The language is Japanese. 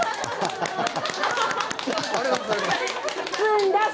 ありがとうございます。